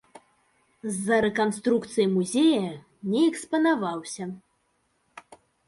З-за рэканструкцыі музея не экспанаваўся.